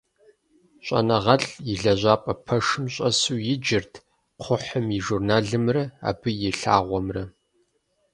ЩӀэныгъэлӀ и лэжьапӀэ пэшым щӀэсу иджырт кхъухьым и журналымрэ абы и лъагъуэмрэ.